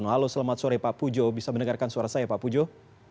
halo selamat sore pak pujo bisa mendengarkan suara saya pak pujo